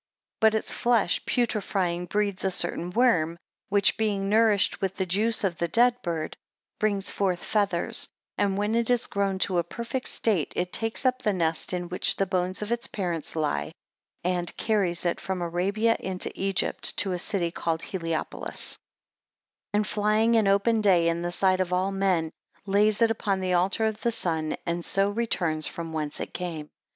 3 But its flesh putrefying, breeds a certain worm, which being nourished with the juice of the dead bird brings forth feathers; and when it is grown to a perfect state, it takes up the nest in which the bones of its parent lie, and carries it from Arabia into Egypt, to a city called Heliopolis: 4 And flying in open day in the sight of all men, lays it upon the altar of the sun, and so returns from whence it came.